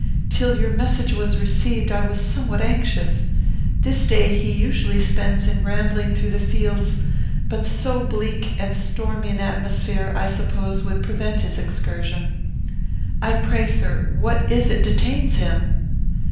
Till your message was received I was somewhat anxious. This day he usually spends in rambling through the fields; but so bleak and stormy an atmosphere, I suppose, would prevent his excursion. I pray, sir, what is it detains him?"